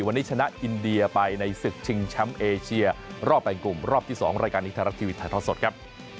วันนี้ชนะอินเดียไปในสิทธิ์ชิงช้ำเอเชียรอบแปลงกลุ่มรอบที่๒รายการอิทธิรัตนาทีวิทยาลักษณ์สดครับ